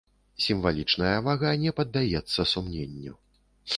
Сімвалічная вага не паддаецца сумненню.